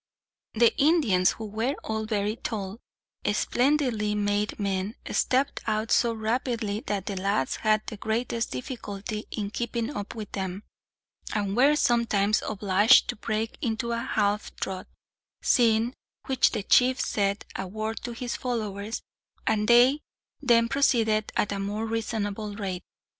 The Indians, who were all very tall, splendidly made men, stepped out so rapidly that the lads had the greatest difficulty in keeping up with them, and were sometimes obliged to break into a half trot; seeing which the chief said a word to his followers, and they then proceeded at a more reasonable rate.